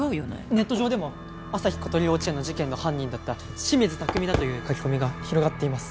ネット上でも朝日ことり幼稚園の事件の犯人だった清水拓海だという書き込みが広がっています